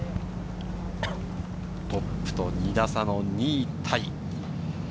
トップと２打差の２タイ。